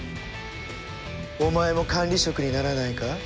お前も管理職にならないか？